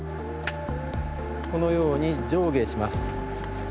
このように上下します。